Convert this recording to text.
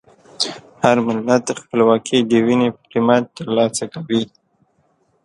هر ملت خپلواکي د وینې په قیمت ترلاسه کوي.